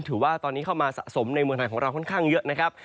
ถือว่าตอนนี้เข้ามาสะสมในเมืองไทยของเราค่อนข้างเยอะนะครับ